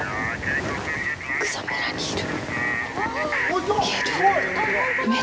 草むらにいる。